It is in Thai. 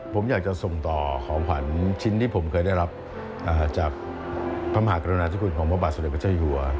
ผมอยากจะส่งต่อของขวัญชิ้นที่ผมเคยได้รับจากพระมหากรรณาชกุศของพระบาทสุดยกเจ้าหญว